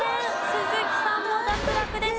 鈴木さんも脱落です。